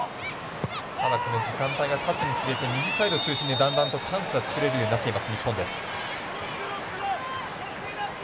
時間がたつにつれて右サイド中心に、だんだんとチャンスは作れるようになってきた日本。